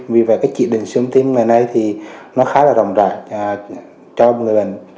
vì vậy cái chỉ định siêu âm tim ngày nay thì nó khá là rộng rãi cho người bệnh